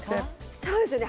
そうですよね